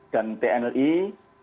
dan kita akan mengajar